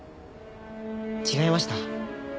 違いました？